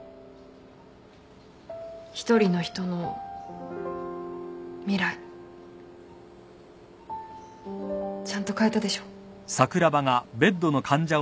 一人の人の未来ちゃんと変えたでしょ。